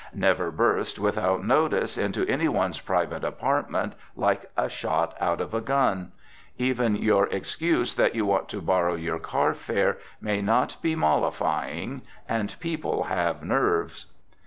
Never burst, without notice, into any one's private apartment like a shot out of a gun. Even your excuse that you want to borrow your car fare may not be mollifying, and people have nerves.